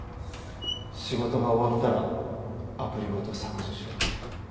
「仕事が終わったらアプリごと削除しろって」